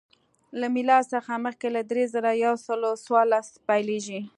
له میلاد څخه مخکې له درې زره یو سل څوارلس پیلېږي